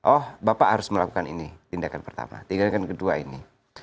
oh bapak harus melakukan ini tindakan pertama tindakan kedua ini